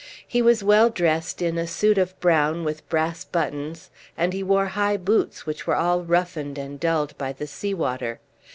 He was well dressed in a suit of brown with brass buttons, and he wore high boots which were all roughened and dulled by the sea water.